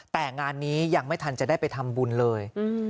แต่งานนี้ยังไม่ทันจะได้ไปทำบุญเลย